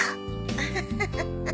アハハハハ。